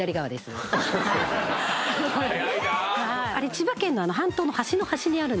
千葉県の半島の端の端にあるんですね。